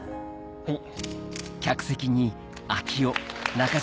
はい。